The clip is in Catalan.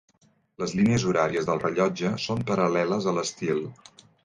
Les línies horàries del rellotge són paral·leles a l'estil.